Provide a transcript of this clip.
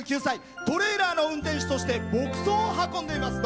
トレーラーの運転手として牧草を運んでいます。